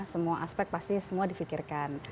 semua aspek pasti semua difikirkan